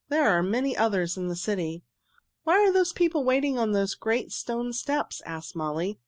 There are many others in the city." "Why are the people waiting on those great stone steps?" asked Molly.